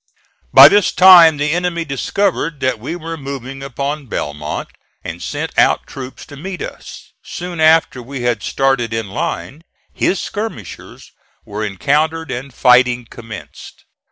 By this time the enemy discovered that we were moving upon Belmont and sent out troops to meet us. Soon after we had started in line, his skirmishers were encountered and fighting commenced.